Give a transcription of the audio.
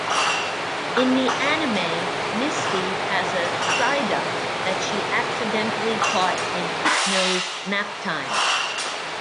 In the anime, Misty has a Psyduck that she accidentally caught in "Hypno's Naptime".